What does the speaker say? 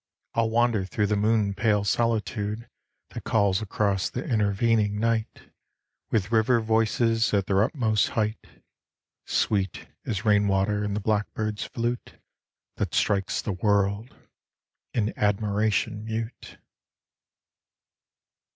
I'll wander thro' the moon pale solitude That calls across the intervening night With river voices at their utmost height, Sweet as rain water in the blackbird's flute That strikes the world in admiration mute.